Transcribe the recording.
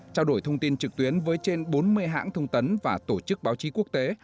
trao đổi thông tin trực tuyến với trên bốn mươi hãng thông tấn và tổ chức báo chí quốc tế